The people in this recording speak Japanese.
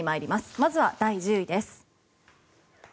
まずは第１０位です。